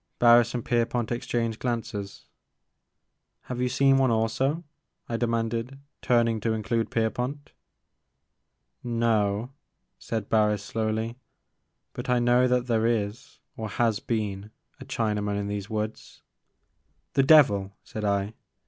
'' Barris and Pierpont exchanged glances. Have you seen one also ?" I demanded, turn ing to include Pierpont. No," said Barris slowly ;but I know that there is, or has been, a Chinaman in these woods." '* The devil!" said I.